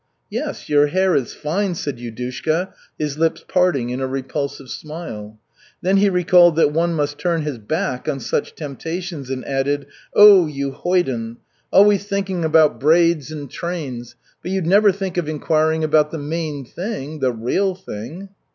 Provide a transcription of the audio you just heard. "Yes, your hair is fine," said Yudushka, his lips parting in a repulsive smile. Then he recalled that one must turn his back on such temptations and added, "Oh, you hoyden! Always thinking about braids and trains, but you'd never think of inquiring about the main thing, the real thing?"